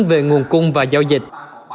về nguồn cung và giao dịch